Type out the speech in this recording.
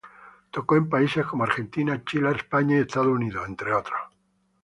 Tocó en países como Argentina, Chile, España y Estados Unidos, entre otros.